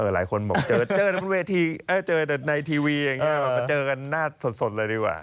หลายคนบอกเจอในเวทีเจอในทีวีมันเจอกันหน้าสดเลยดีกว่า